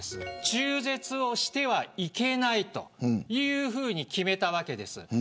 中絶をしてはいけないというふうに決めたわけです。